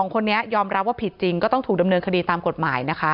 คนนี้ยอมรับว่าผิดจริงก็ต้องถูกดำเนินคดีตามกฎหมายนะคะ